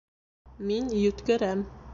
Мин йүткерәм